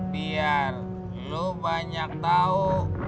biar lo banyak tahu